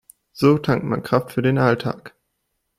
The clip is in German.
So tankt man Kraft für den Alltag.